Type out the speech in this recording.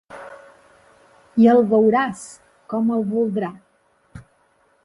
I el veuràs com el voldrà?